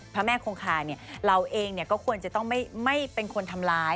พระแม่คงคาเราเองก็ควรจะต้องไม่เป็นคนทำร้าย